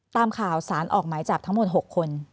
ตามข่าวสารออกหมายจับทั้งหมด๖คน